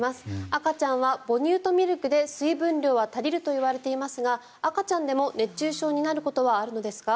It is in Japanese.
赤ちゃんは母乳とミルクで水分量は足りるといわれていますが赤ちゃんでも熱中症になることはあるのですか？